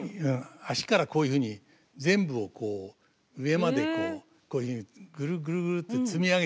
足からこういうふうに全部をこう上までこういうふうにぐるぐるぐるって積み上げていく。